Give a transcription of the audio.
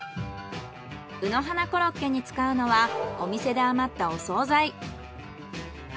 卯の花コロッケに使うのはお店で余ったお総菜。